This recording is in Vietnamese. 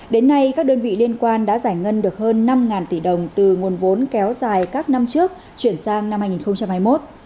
đến nay các đơn vị liên quan đã giải ngân được hơn năm tỷ đồng từ nguồn vốn kéo dài các năm trước chuyển sang năm hai nghìn hai mươi một